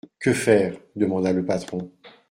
Que faire ? demanda le patron.